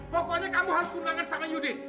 pokoknya kamu harus tunangan sama yudit